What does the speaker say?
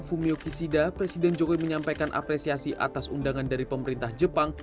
fumio kisida presiden jokowi menyampaikan apresiasi atas undangan dari pemerintah jepang